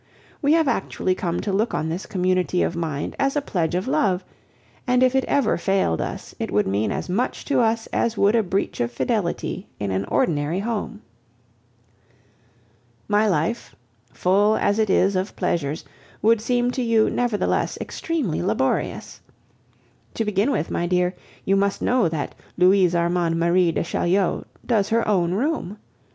We have actually come to look on this community of mind as a pledge of love; and if it ever failed us, it would mean as much to us as would a breach of fidelity in an ordinary home. My life, full as it is of pleasures, would seem to you, nevertheless, extremely laborious. To begin with, my dear, you must know that Louise Armande Marie de Chaulieu does her own room.